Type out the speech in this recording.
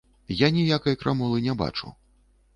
Я ніякай крамолы не бачу.